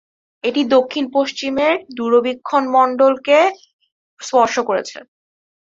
এটি দক্ষিণ-পশ্চিমে দূরবীক্ষণ মণ্ডল কে স্পর্শ করেছে।